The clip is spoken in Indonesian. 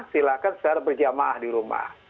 silakan secara berjamaah di rumah